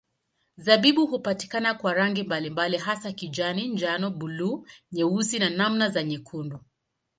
Zabibu hupatikana kwa rangi mbalimbali hasa kijani, njano, buluu, nyeusi na namna za nyekundu.